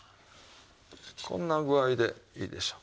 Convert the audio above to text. こんな具合でいいでしょう。